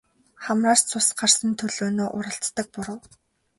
Хамраас цус гарсан төлөөнөө уралцдаг буруу.